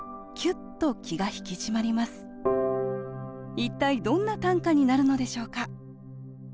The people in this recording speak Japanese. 一体どんな短歌になるのでしょうか